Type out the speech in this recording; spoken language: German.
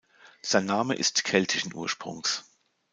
Sein Name ist keltischen Ursprungs.